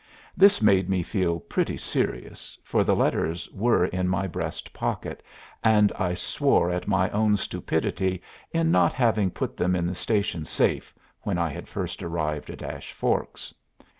This made me feel pretty serious, for the letters were in my breast pocket, and I swore at my own stupidity in not having put them in the station safe when I had first arrived at Ash Forks.